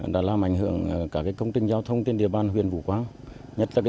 đã làm ảnh hưởng cả công tinh giao thông trên địa bàn huyện vũ quang